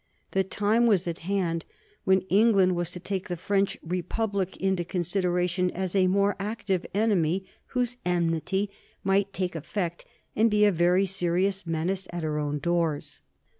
The time was at hand when England was to take the French Republic into consideration as a more active enemy, whose enmity might take effect and be a very serious menace at her own doors.